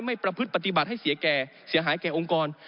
ไม่สามารถให้เสียแก่เสียหายแก่องค์กร